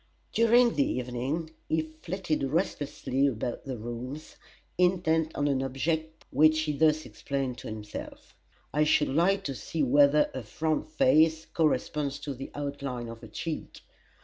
During the evening he flitted restlessly about the rooms, intent on an object which he thus explained to himself: "I should like to see whether her front face corresponds to the outline of her cheek.